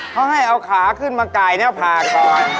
เขาให้เอาขาขึ้นมาก่ายหน้าผ่ากร